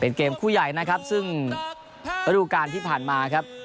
เป็นเกมคู่ใหญ่นะครับซึ่งระดูการที่ผ่านมาครับ